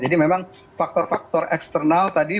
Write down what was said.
memang faktor faktor eksternal tadi